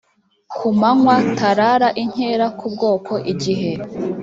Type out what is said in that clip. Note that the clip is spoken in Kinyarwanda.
ku manywa tarara inkera ku bwoko igihe